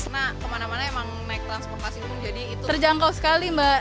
karena kemana mana emang naik transportasi pun jadi itu terjangkau sekali mbak